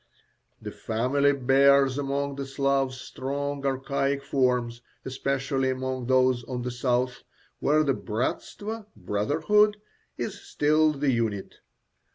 The family bears among the Slavs strong archaic forms, especially among those of the south, where the bratstvo (brotherhood) is still the unit.